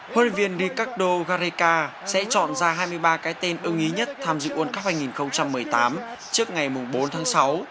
huấn luyện viên dekado gareka sẽ chọn ra hai mươi ba cái tên ưng ý nhất tham dự world cup hai nghìn một mươi tám trước ngày bốn tháng sáu